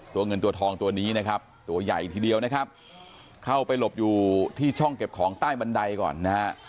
เงินตัวทองตัวนี้นะครับตัวใหญ่ทีเดียวนะครับเข้าไปหลบอยู่ที่ช่องเก็บของใต้บันไดก่อนนะฮะ